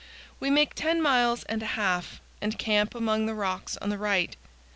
We make ten miles and a half, and camp among the rocks on the right.